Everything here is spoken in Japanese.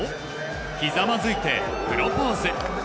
ひざまずいてプロポーズ。